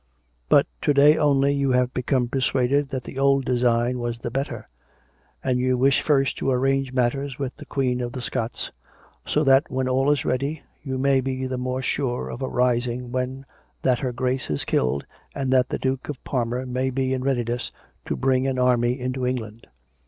But to day only you have become persuaded that the old design was the better; and you wish first to arrange matters with the Queen of the Scots, so that when all is ready, you may be the more sure of a rising when that her Grace is killed, and that the Duke of Parma may be in readiness to bring an army into England.